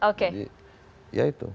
jadi ya itu